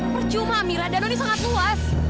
percuma amira danau ini sangat luas